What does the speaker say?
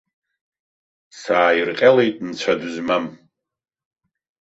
Сааирҟьалеит нцәа дызмам.